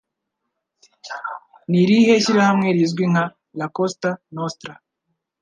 Ni irihe shyirahamwe rizwi nka “La Cosa Nostra”